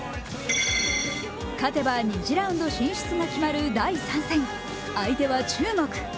勝てば２次ラウンド進出が決まる第３戦相手は中国。